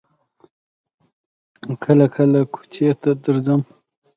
کله کله کوڅې ته درځم.